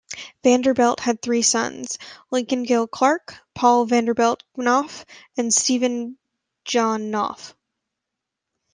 Vanderbilt had three sons: Lincoln Gill Clark, Paul Vanderbilt Knopf, and Stephen John Knopf.